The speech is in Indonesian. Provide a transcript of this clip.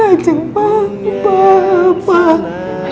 ajeng ajeng ajeng